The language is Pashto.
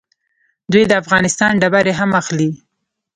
دوی د افغانستان ډبرې هم اخلي.